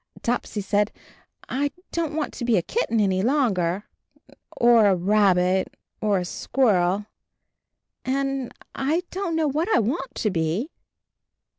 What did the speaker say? Topsy said, "I don't want to be a kitten any longer, or a rabbit, or a squirrel, and I don't know what I want to be."